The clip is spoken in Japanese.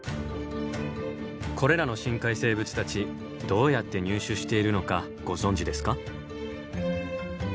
これらの深海生物たちどうやって入手しているのかご存じですか？